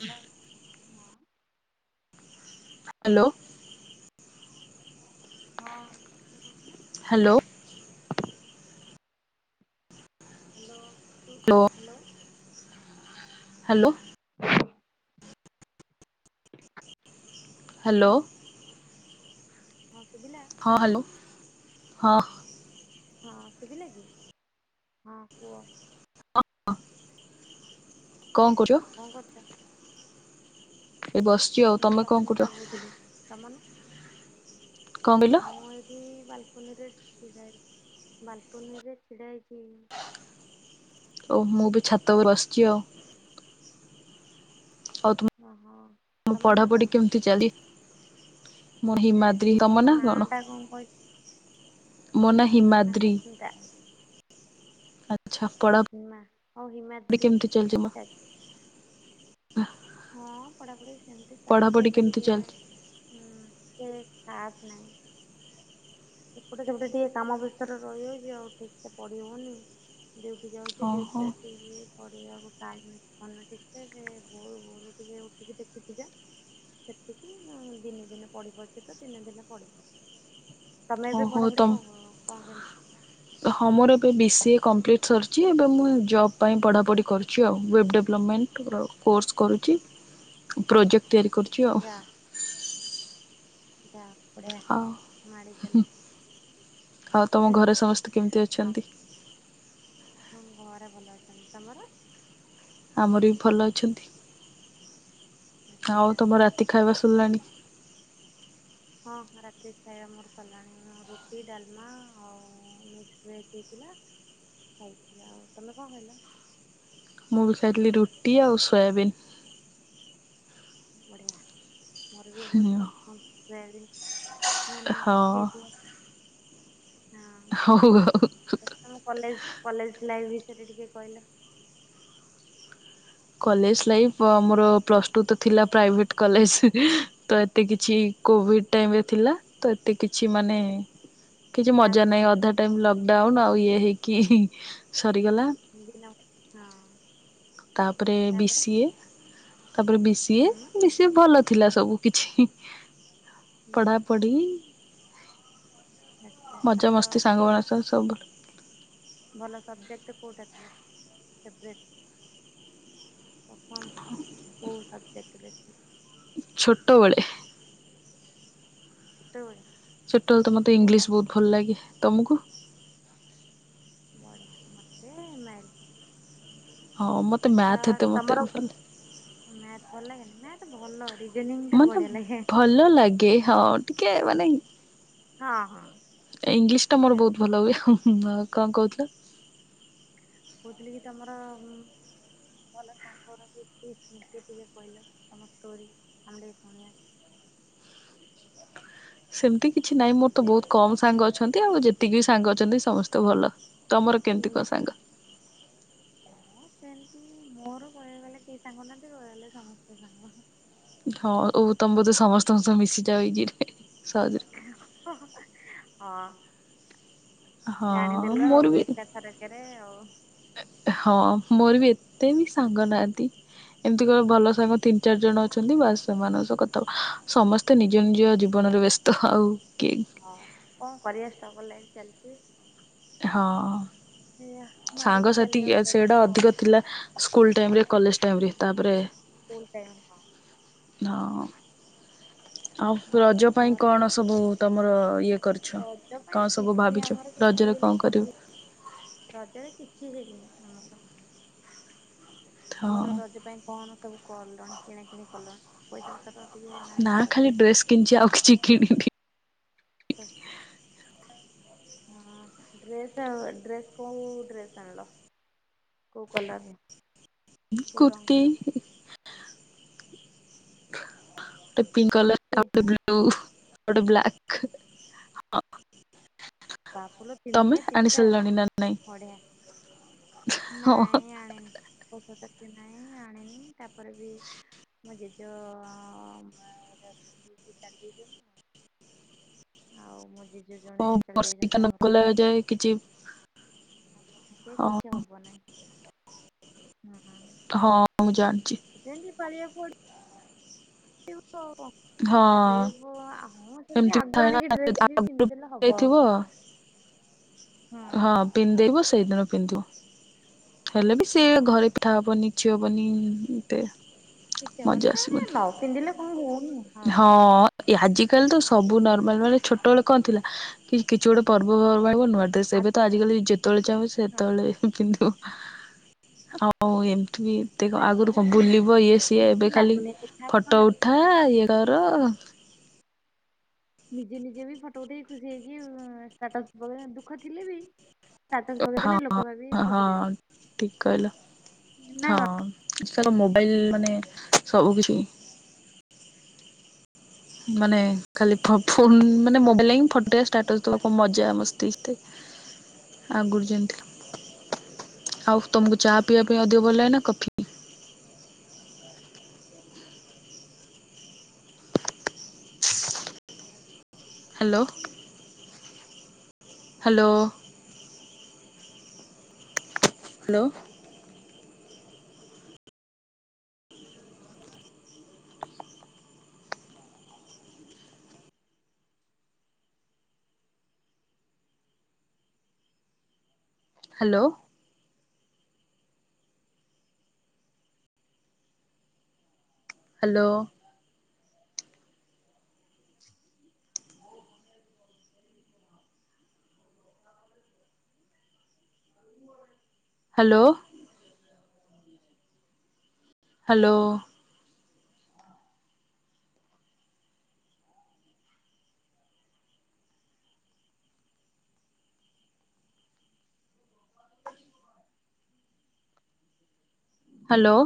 [unintelligible] ହଁ, ହ୍ୟାଲୋ। ହଁ, କିଏ କହୁଥିଲେ? ହାଲୋ। ହ୍ୟାଲୋ। ତୁ ହ୍ୟୋଲୋ। ହାଲୋ। ହାଲୋ। [unintelligible] ହ୍ୟାଲୋ, ହଁ ଶୁବିଲା? ହଁ ହାଲୋ? ହଁ, ହଁ ଶୁଭିଲା କି? ହଁ କୁହ? କଣ କରୁଚୁ? କଣ କରୁଚ? ଏ ବସିଚି ଆଉ। ମୁଁ ତମେ କଣ ସସ୍ମିତା କରୁଚ? କହୁଥିଲି ତମ ନାଁ? କଣ କହିଲ? ମୁଁ ଏଇଠି ବାଲକୁନିରେ ଛିଡ଼ା ବାଲକୁନିରେ ଛିଡ଼ା ହେଇଛି। ଓ ମୁଁ ବି ଛାତ ଉପରେ ବସିଛି ଆଉ। ହଁ, ହଁ। ମୁଁ ପଢାପଢି କେମିତି ଚାଲି ମୋ ହିମାଦ [unintelligible] ତମ ନାଁ କଣ? ମୋ ନା ହିମା ନାଁ ହିମାଦ୍ରି। ସସ୍ମିତା ଆଚ୍ଛା, ପଢ [unintelligible] ନାଁ ଓ ହିମା ହିମାଦ୍ରି ଆଚ୍ଛା ଆଚ୍ଛା। [unintelligible] ହଁ ପଢାପଢି ସେମିତି ଚାଲିଛି। ପଢ଼ାପଢ଼ି ଏବେ କେମିତି ଟିକେ ଚାଲିଛି ଉଁ ଏତେ ଖାସ୍ ନାହିଁ। ଏପଟେ, ସେପଟେ ଟିକେ କାମ ବ୍ୟସ୍ତ ରେ ରହିହଉଛି ଆଉ ଠିକ୍ ସେ ପଢି ହଉନି। ଡିଉଟି ଯାଉଛି, ଡିଉଟି ଓହୋ ରୁ ଆସିକିରି ପଢ଼ିବାକୁ ଟାଇମ ଟାଇମ୍ ହଉନି ଠିକ୍ ସେ ଯେ ଭୋରୁ ଭୋରୁ ଟିକେ ଉଠିକି ଦେଖୁଛି ଯା। ସେତିକି ନାଁ ଦିନେ ଦିନେ ପଢି ପାରୁଛି, ତ ଦିନେ ଦିନେ ପଢି ପାରୁନି। ତମେ ଏବେ ଓହୋ ପଢାପଢି ତମ କଣ, କଣ କେମିତି? ହଁ ମୋର ଏବେ ବି ସିଏ କମ୍ପ୍ଲିଟ୍ ସରିଛି। ଏବେ ମୁଁ ଜବ୍ ପାଇଁ ପଢ଼ାପଢ଼ି କରୁଛି ଆଉ। ୱେବ୍ ଡେଭଲପମେଣ୍ଟ ଟପ କୋର୍ସ କରୁଛି, ପ୍ରୋଜେକ୍ଟ ତିଆରି କରୁଛି ଆଉ। ଯା ବଢିଆ ଆଉ ମାଡିଚାଲ। ଆଉ ତମ ହୁଁ ହୁଁ ଘରେ ସମସ୍ତେ କେମିତି ଆ ଅଛନ୍ତି? ହଁ ଘରେ ଭଲ ଅଛନ୍ତି ତମର? ଆମର ବି ଭଲ ଅଛନ୍ତି ଆଚ୍ଛା। ଆଉ ତମ ରାତି ଖାଇବା ସରିଲାଣି? ହିଁ ହଁ ରାତି ଖାଇବା ମୋର ସରିଲାଣି ମୋ ରୁଟି ଡାଲମା ଆଉ ମିକ୍ସ୍ ଭେଜ୍ ହେଇଥିଲା ଖାଇଥିଲି ଆଉ ତମେ କଣ ଖାଇଲ? ମୁଁ ବି ଖାଇଥିଲି ରୁଟି ଆଉ ସୋୟାବିନ୍। ବଢିଆ ମୋର ବି ବହୁତ ହଁ ପସନ୍ଦ ସୋୟାବିନ। ମୋ ନାଗି ପଠେଇ ହଉ ଦିଅ ଆଉ। ହଁ। ତମ କଲେଜ୍ କଲେଜ୍ ଲାଇଫ୍ ବିଷୟରେ ଟିକେ କହିଲ? କଲେଜ ଲାଇଫ୍ ଅ ମୋର ପ୍ଲସ ଟୁ ତ ଥିଲା ପ୍ରାଇଭେଟ କଲେଜ ତ ଏତେ କିଛି କୋଭିଡ଼୍ ଟାଇମିଂ ଥିଲା। ତ ଏତେ କିଛି ମାନେ କିଛି ଖାସ୍ ମଜା ନାହିଁ ନଥିବ। ଅଧା ଟାଇମ୍ ଲକଡାଉନ୍ ଆଉ ଇଏ ହେଇକି ହିଁ ସରିଗଲା। ପିଘଂ‌ନ ହଁ ତାପରେ ବି ତାପରେ ସି ଏ ତାପରେ ବି ସି ହୁଁ ଏ ବିି ସେ ଭଲ ଥିଲା ସବୁ କିିଛି। ହୁଁ। ପଢ଼ାପଢ଼ି ଆଛା ତମର ମଜାମସ୍ତି ଭଲ ସାଙ୍ଗମାନଙ୍କ ସହ ସବୁବେଳେ ଭଲ ସବଜେକ୍ଟ କୋଉଟା ଥିଲା ଫେବ୍ରେଟ୍? ପପମ୍ କୋଉ ଶବଜେକଟ ଛୋଟବଳେ ଛୁଟବେଳେ ଛୋଟଳେ ତ ମତେ ଇଂଲିଶ ବହୁତ୍ ଭଲ ଲାଗେ। ତମକୁ? ବଢିଆ ମତେ ଏମ୍ ଆଇଲ୍ ହଁ ମୋତେ ଆଛା ମ୍ୟାଥ୍ ଏତେ ମୋତେ ତମର ଭଲ ଉ ମ୍ୟାଥ୍ ଭଲ ଲାଗେନି ମ୍ୟାଥ୍ ଭଲ ରିଜନିଂ ଟା ମାନେ ବଢିଆ ଲାଗେ। ଭଲ ଲାଗେ ହଁ ଟିକେ ମାନେ ହଁ ହଁ। ଇଂଲିଶ ଟା ମୋର ବହୁତ୍ ଭଲ ହୁଏ ହୁଁ ହୁଁ କଣ କହୁଥିଲ? କହୁଥିଲି କି ତମର ଉଁ ଭଲ ସାଙ୍ଗର ବିତି [unintelligible] ଟିକେ କହିଲ ତମ ଷ୍ଟୋରି ଆମେ ଟେ ଶୁଣିବା? ସେମିତି କିଛି ନାହିଁ ମୋର ତ ବହୁତ୍ କମ୍ ସାଙ୍ଗ ଅଛନ୍ତି। ଆଉ ଯେତିକି ବି ସାଙ୍ଗ ଅଛନ୍ତି ସମସ୍ତେ ଭଲ। ତମର କେମିତି କଣ ସାଙ୍ଗ? ଲିମିଟେଡ଼ ହଁ ସେମତି ମୋର କହିବାଗଲେ କେହି ସାଙ୍ଗ ନାହାନ୍ତି କହିଆଗଲେ ସମସ୍ତେ ସାଙ୍ଗ। ହଁ ଓ ତମ ବୋଧେ ସମସ୍ତଙ୍କ ସହ ମିଶିଯାଉ ଇଜି ରେ ସହଜ ରେ। ହୋଓ ହଁ ହଁ ଜାଣିଦେଲ ମୋର ଆଉ ବି ଏକାଥରକରେ ଆଉ। ହଁ ମୋର ବି ଏତେ ବି ସାଙ୍ଗ ନାହାଁନ୍ତି। ଏମିତି କ ଭଲ ସାଙ୍ଗ ତିନି ଚାରି ଜଣ ଅଛନ୍ତି ବାସ୍ ସେମାନଙ୍କ ସହ କଥା ସମସ୍ତେ ନିଜ ନିଜ ଜୀବନରେ ବ୍ୟସ୍ ତ ଆଉକେ ହଁ କଣ କରିବା ଷ୍ଟଗଲ ଲାଇଫ୍ ଚାଲିଚି। ହଁ ଏଇଆ ମାଡିକି ସାଙ୍ଗସାଥି ଚାଲିବାକୁ ପଡିବ ସେଇଟା ଆଉ। ଅଧିକ ଥିଲା ସ୍କୁଲ୍ ଟାଇମ୍ ରେ କଲେଜ ଟାଇମ୍ ରେ ତାପରେ ସ୍କୁଲ୍ ଟାଇମ୍ ହଁ। ହଁ। ଆଉ ରଜ ପାଇଁ ଘରେ କଣ ସବୁ ତମର ଇଏ କରିଛ? ରଜ କଣ ପାଇଁ ସବୁ କିଛି ଭାବିଛ ଆମର କିଛି ରଜରେ କଣ ବୋଲି କରିବୁ କିଛି [inaudible] ରଜରେ କିଛି ହେଇନି ଆମର। ତମର ହଁ ଏଥର ରଜ ପାଇଁ କଣ ସବୁ କଲଣି କିଣା କିିଣି କଲଣି? ପଇସା ପତର ଟିକେ ନାହିଁ ସଟେଜ୍ ହଉଛି। କିଛି ଆଉ କିଛି ହୁଁ ହୁଁ ହୁଁ। କ ହଁ ଡ୍ରେସ୍ ଆଉ ଡ୍ରେସ୍ କୋଉ ଡ୍ରେସ୍ ଆଣିଲ? କୋଉ କଲର୍ ର? ଏଇ କୁୁର୍ତି [inaudible] ଗୋଟେ ପିଙ୍କ୍ କଲର୍ ଆଉ କୁର୍ତ୍ତି ଗୋଟେ ବ୍ଲୁ ଆଉ ଗୋଟେ ବ୍ଲାକ୍ ହଁ। ପାପୁଲର ତିନି ଦିନେ ତିନିଟା ନା ନାଇଁ ବଢିଆ। ହଁ ନାଇଁ ଆଣିନି ପସନ୍ଦ କି ନାଇଁ ଆଣିନି ତାପରେ ବି ମୋ ଜେଜେର ମାଆ ଏବେ ଅଛନ୍ତି କି ଚାଲି ଯାଇଛନ୍ତି ମୁଁ ଆଉ ମୋ ଜେଜେ ଜଣେ ଚାଲି ବର୍ଷିକା ଯାଇଛନ୍ତି ନ ଆମର ଗଲା ଯାଏ କିଛି ପର୍ବ ପର୍ବାଣୀ ହଁ କିଛି ହବ ହବାର ନାହଁ ହୁଁ ହୁଁ। ହଁ ମୁଁ ଜାଣିଛି। ସେନ୍ତି ପାଳିଆକୁ ପଡ଼ି ବ ଆଉ କଁ ହଁ ତାପରେ ବି ମୋ ଆ ହଁ ସେମିତି ଏମିତି ଆଗୁଆ ଥାଏ ନା ଆଣିକି ଡ୍ରେସ୍ ବି ଆଗରୁ ପିନ୍ଧିଦେଲେ ହବ ଯାଇଥିବ ହଁ। ହଁ ପିନ୍ଧିଦେବୁ ସେଇଦିନ ପିନ୍ଧିବୁ ହେଲେ ବି ସେଇ ହଁ ଘରେ ପି ପିଠା ହବନି କିଛି ହବନି ଗୋଟେ। ଫିଟେଇ ହବନି ତା ମାନେ ନ ପିନ୍ଧିଲେ କଣ ହଉନି କି ହଁଁ। ଏ ଆଜିକାଲି ତ ସବୁ ନର୍ମାଲ୍ ମାନେ ଛୋଟ ବେଳେ କଣ ଥିଲା କି କିଛି ଗୋଟେ ପର୍ବ ପର୍ବାଣୀ ହବ ନୂଆ ତ ସେବେ ତ ଆଗୁଆ ଆଜିକାଲି ଯେତେବେଳେ ଚାହିଁବେ ହଁ ସେତେବେଳେ ପି ପିନ୍ଧୁ ଆଉ ଏମିତି ବି କେତେ ଏବେ କଁ ଆଉ ଆଗରୁ ସେମିତି କଣ କିଛି ନାହିଁ ବୁଲିବ ଇଏ ସିଏ ଏବେ କିଛି ଖାଲି ଲାଗୁନି ଏତେ ଖାସ କଣ ଫଟୋ ଲାଗୁଛି ଉଠା ଇଏ କର। ନିଜେ ନିଜେ ବି ଫଟୋ ଉଠେଇ ଖୁସି ହେଇକି ଉଁ ଷ୍ଟାଟସ୍ ଦଉ ଦୁଃଖ ଥିଲେ ବି ଷ୍ଟାଟସ୍ ପକେଇ ହଁ ଦେଲେ ଲୋକ ଭାବିବେ ଇଏ ହଁ ଖୁସିରେ ଅଛି ନା କଁ? ଏଥରକ ମୋବାଇଲ୍ ମାନେ ସବୁ କିଛି। ମାନେ ଖାଲି ଫୋ ଫୋନ୍ ମାନେ ମୋବାଇଲ୍ ରେ ହିଁ ଫଟୋ ଷ୍ଟାଟସ୍ ଦବାକୁ ମଜା ମସ୍ତି ଯେତେ ଆଗରୁ ଯେମିତି ଆଉ ତମକୁ ଚା ପିଇବା ପାଇଁ ଅଧିକ ଭଲ ଲାଗେ ନା coffee? Hello. Hello. Hello. Hello. Hello. Hello. Hello. Hello.